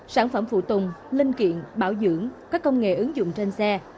sản phẩm phụ tùng linh kiện bảo dưỡng các công nghệ ứng dụng trên xe